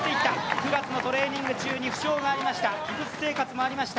９月のトレーニング中に負傷がありました、ギプスもありました。